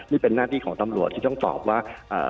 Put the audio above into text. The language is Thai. นี่เป็นหน้าที่ของตำรวจที่ต้องตอบว่า